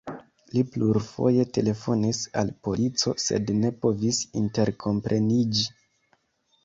Li plurfoje telefonis al polico, sed ne povis interkompreniĝi.